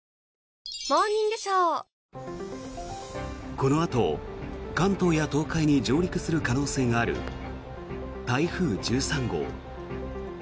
このあと関東や東海に上陸する可能性がある台風１３号。